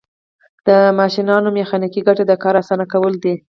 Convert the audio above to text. د ماشینونو میخانیکي ګټه د کار اسانه کول دي.